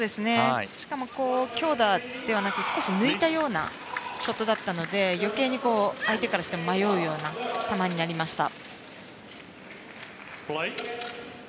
しかも、強打ではなく少し抜いたようなショットだったので余計に、相手からしても迷うような球になりました。